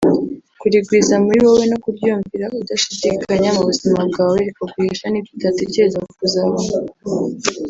kurigwiza muri wowe no kuryumvira udashidikanya mu buzima bwawe rikaguhesha n’ibyo utatekerezaga kuzabona